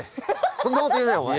そんなこと言うなよお前。